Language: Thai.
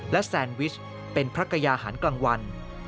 และแซนวิชเป็นพระกายาหารกลางวัน